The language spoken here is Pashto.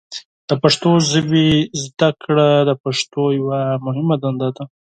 د پښتو ژبې زده کړه د پښتنو یوه مهمه دنده ده.